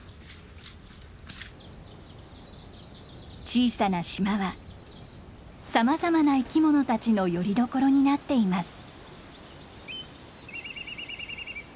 小さな島はさまざまな生き物たちのよりどころになっています。